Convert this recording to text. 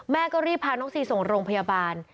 แม่ก็รีบพาน้องซีส่งโรงพยาบาล